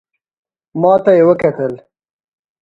ماته یې وکتل .